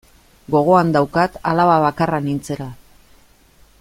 Gogoan daukat alaba bakarra nintzela.